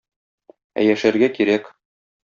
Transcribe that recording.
Ә яшәргә кирәк.